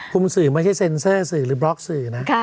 คุณสื่อไม่ใช่เซ็นเซอร์สื่อหรือบล็อกสื่อนะ